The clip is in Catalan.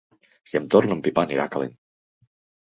Si em torna a empipar anirà calent.